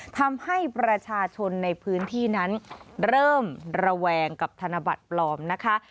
ทำให้ประชาชนในพื้นที่นั้นเริ่มระแวงกับธนบัตรปลอมนะคะ